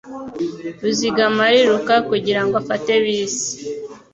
Ruzigama ariruka kugirango afate bisi. .